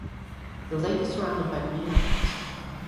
The Lake is surrounded by green mountains.